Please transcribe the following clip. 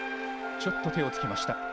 ちょっと手をつきました。